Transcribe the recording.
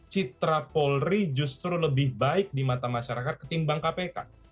citra polri justru lebih baik di mata masyarakat ketimbang kpk